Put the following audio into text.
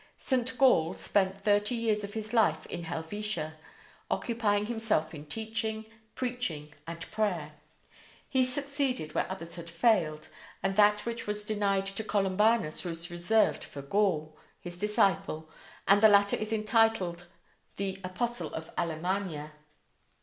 St. Gall spent thirty years of his life in Helvetia, occupying himself in teaching, preaching, and prayer. He succeeded where others had failed, and that which was denied to Columbanus was reserved for Gall, his disciple, and the latter is entitled the Apostle of Alemannia.